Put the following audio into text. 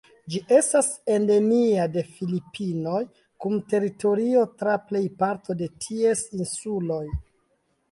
Ĝi estas endemia de Filipinoj, kun teritorio tra plej parto de ties insuloj.